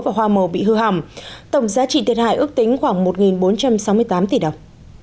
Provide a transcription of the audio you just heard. và hoa màu bị hư hỏng tổng giá trị thiệt hại ước tính khoảng một bốn trăm sáu mươi tám tỷ đồng